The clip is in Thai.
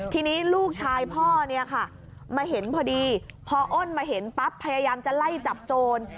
ทีนี้ลูกชายพ่อเนี่ยค่ะมาเห็นพอดีพออ้นมาเห็นปั๊บพยายามจะไล่จับโจร